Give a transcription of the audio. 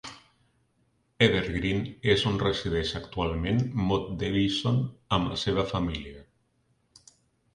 Evergreen és on resideix actualment Mott Davidson amb la seva família.